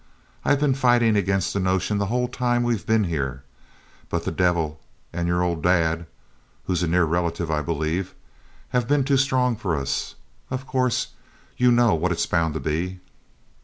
I've been fighting against the notion the whole time we've been here, but the devil and your old dad (who's a near relative, I believe) have been too strong for us. Of course, you know what it's bound to be?'